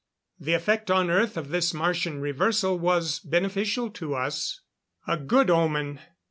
The effect on Earth of this Martian reversal was beneficial to us. A good omen.